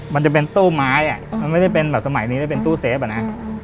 มันจะเป็นตู้ไม้อ่ะมันไม่ได้เป็นแบบสมัยนี้แล้วเป็นตู้เซฟอะนะ